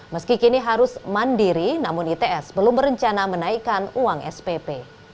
meski kini harus mandiri namun its belum berencana menaikkan uang spp